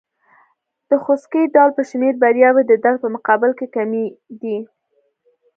د خوسکي ډول په شمېر بریاوې د درد په مقابل کې کمې دي.